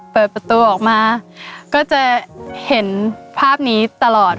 เปิดประตูออกมาก็จะเห็นภาพนี้ตลอด